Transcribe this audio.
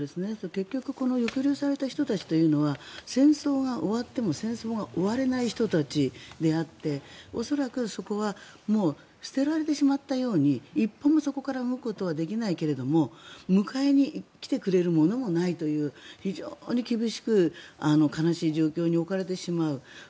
結局この抑留された人たちというのは戦争が終わっても戦争が終われない人たちであって恐らく、そこはもう捨てられてしまったように一歩もそこから動くことができないけれども迎えに来てくれるものもないという非常に厳しく、悲しい状況に置かれてしまう。